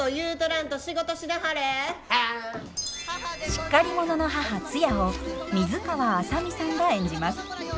しっかり者の母ツヤを水川あさみさんが演じます。